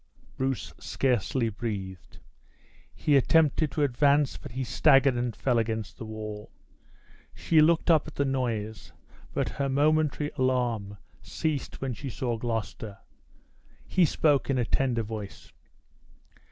Bruce scarcely breathed. He attempted to advance, but he staggered and fell against the wall. She looked up at the noise; but her momentary alarm ceased when she saw Gloucester. He spoke in a tender voice.